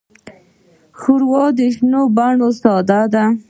ښوروا د شنو بڼو ساه ده.